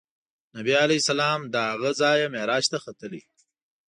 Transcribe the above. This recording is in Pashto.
نبي علیه السلام له هغه ځایه معراج ته ختلی.